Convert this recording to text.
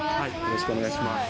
よろしくお願いします。